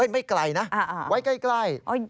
ไม่ไกลนะไว้ใกล้